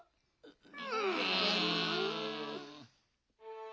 うん。